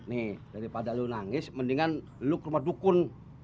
nih daripada lo nangis mendingan lu ke rumah dukun